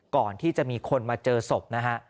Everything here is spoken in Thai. ก่อนที่จะมีคนมาเจอศพนะฮะ